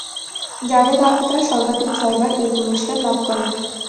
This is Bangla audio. জাভেদ আখতার সর্বাধিক ছয়বার এই পুরস্কার লাভ করেন।